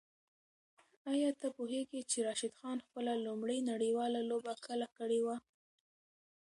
آیا ته پوهېږې چې راشد خان خپله لومړۍ نړیواله لوبه کله کړې وه؟